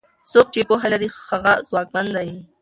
څوک چې پوهه لري هغه ځواکمن دی.